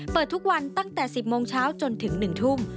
เปิดทุกวันตั้งแต่๑๐โมงเช้าจนถึง๑ทุ่ม